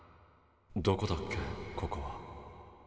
どこだっけここは。